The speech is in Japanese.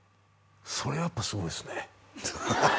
それやっぱすごいですね